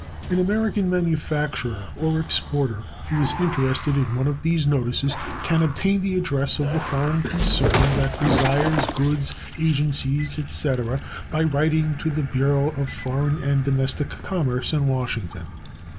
An American manufacturer or exporter who is interested in one of these notices can obtain the address of the foreign concern that desires goods, agencies, etc., by writing to the Bureau of Foreign and Domestic Commerce, in Washington.